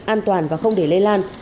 an toàn và không để lây lan